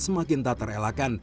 semakin tak terelakkan